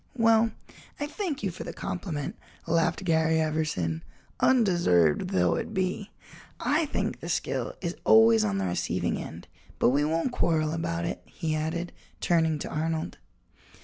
"Well, I thank you for the compliment," laughed Garry Everson, "undeserved though it be. I think the skill is always on the receiving end but we won't quarrel about it," he added, turning to Arnold.